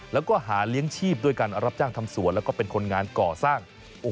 แล้วก็หาเลี้ยงชีพด้วยการรับจ้างทำสวนแล้วก็เป็นคนงานก่อสร้าง